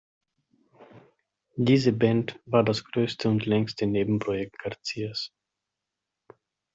Diese Band war das größte und längste Nebenprojekt Garcias.